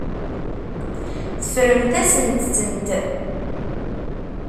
Teffremt-asent-tent.